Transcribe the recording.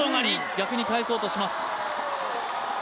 逆に返そうとします。